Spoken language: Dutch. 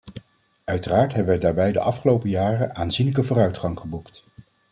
Uiteraard hebben wij daarbij de afgelopen jaren aanzienlijke vooruitgang geboekt.